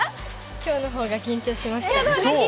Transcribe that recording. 今日の方が緊張しました。